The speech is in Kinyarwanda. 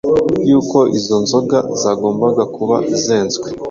yuko izo nzoga zagombaga kuba zenzwe.